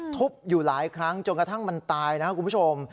ทุบอยู่หลายครั้งจนกระทั่งมันตายนะครับคุณผู้ชม